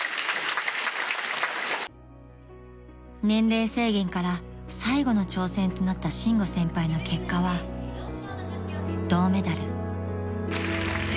［年齢制限から最後の挑戦となった伸吾先輩の結果は銅メダル］